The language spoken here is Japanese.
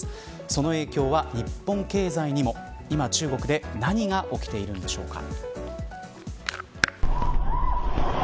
その影響は日本経済にも今、中国で何が起きているのでしょうか。